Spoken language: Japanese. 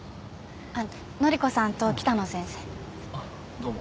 どうも。